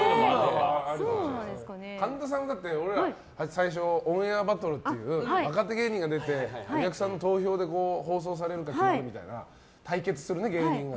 神田さんは俺ら、最初「オンエアバトル」っていう若手芸人が出てお客さんの投票で放送されるか決まる対決する、芸人が。